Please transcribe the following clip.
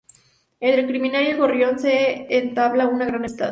Entre el criminal y el gorrión se entabla una gran amistad.